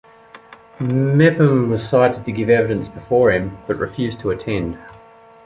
Mepeham was cited to give evidence before him, but refused to attend.